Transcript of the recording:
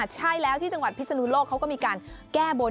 ใช่แล้วที่จังหวัดพิษฎูโลกเขาก็มีการแก้บนเหมือนกัน